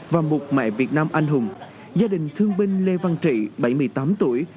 và một mẹ việt nam anh hùng gia đình thương binh lê văn trị bảy mươi tám tuổi